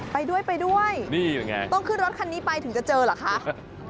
ไปด้วยต้องขึ้นรถคันนี้ไปถึงจะเจอเหรอคะนี่แหละไง